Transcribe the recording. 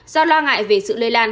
do lo ngại về sự lây lan